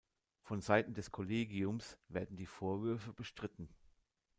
Von Seiten des Kollegiums werden die Vorwürfe bestritten.